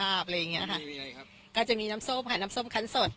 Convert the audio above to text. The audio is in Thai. อะไรอย่างเงี้ยค่ะก็จะมีน้ำโซ่มค่ะน้ำโซ่มคันสด